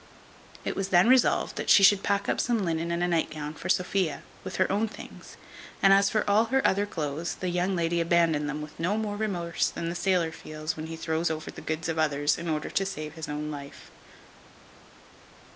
It was then resolved that she should pack up some linen and a night gown for Sophia, with her own things; and as for all her other clothes, the young lady abandoned them with no more remorse than the sailor feels when he throws over the goods of others, in order to save his own life.